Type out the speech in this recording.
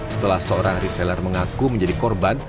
setelah seorang reseller mengaku menjadi korban